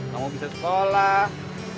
kamu bisa sekolah